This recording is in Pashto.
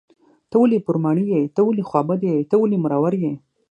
ته ولې پر ماڼي یې .ته ولې خوابدی یې .ته ولې مرور یې